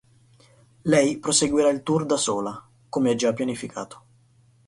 Lei proseguirà il tour da sola, come già pianificato.